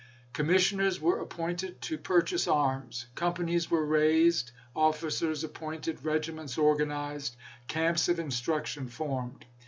Commissioners were appointed to pur chase arms ; companies were raised, officers ap pointed, regiments organized, camps of instruction formed.